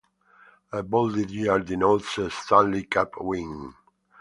A bolded year denotes a Stanley Cup win.